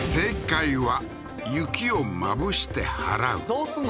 どうすんの？